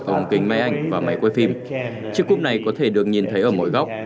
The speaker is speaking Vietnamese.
trong kính máy ảnh và máy quay phim chiếc cúp này có thể được nhìn thấy ở mỗi góc